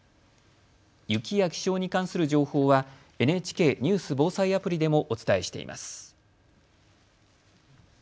雪や気象に関する情報はＮＨＫニュース・防災アプリでもお伝えしています。